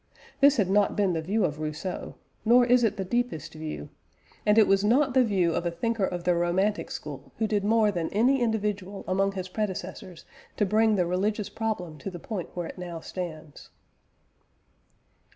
This had not been the view of Rousseau, nor is it the deepest view; and it was not the view of a thinker of the Romantic school who did more than any individual among his predecessors to bring the religious problem to the point where it now stands.